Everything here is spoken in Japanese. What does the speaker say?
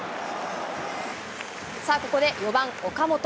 さあ、ここで４番岡本。